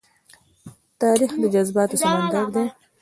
تاریخ د جذباتو سمندر دی.